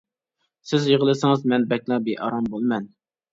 سىز يىغلىسىڭىز مەن بەكلا بىئارام بولىمەن.